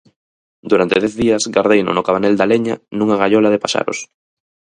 Durante dez días gardeino no cabanel da leña nunha gaiola de paxaros.